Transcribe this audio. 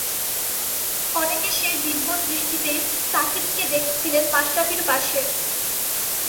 অনেকে সেই দিব্যদৃষ্টিতেই সাকিবকে দেখছিলেন মাশরাফির পাশে।